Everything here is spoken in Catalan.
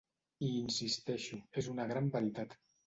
Hi insisteixo, és una gran veritat.